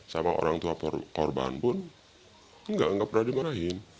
sama orang tua korban pun enggak enggak pernah dimarahin